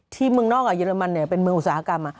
เมืองนอกกับเยอรมันเป็นเมืองอุตสาหกรรม